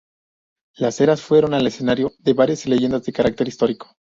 La eras fueron el escenario de varias leyendas de carácter histórico.